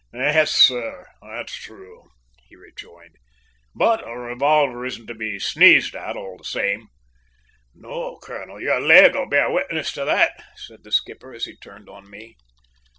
"Yes, sir, that's true," he rejoined; "but a revolver isn't to be sneezed at, all the same!" "No colonel, your leg'll bear witness to that," said the skipper as he turned to me.